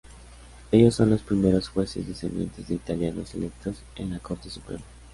Ellos son los primeros jueces descendientes de italianos electos en la Corte Suprema.